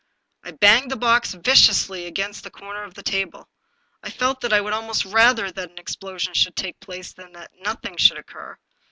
I banged the box viciously against the corner of the table. I felt that I would almost rather that an explosion should take place than that nothing should occur.